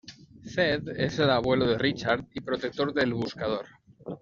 Zedd es el abuelo de Richard y protector de "El Buscador".